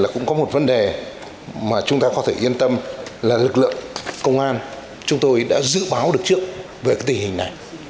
cũng có một vấn đề mà chúng ta có thể yên tâm là lực lượng công an chúng tôi đã dự báo được trước về cái tình hình này